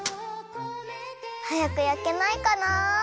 はやく焼けないかなあ。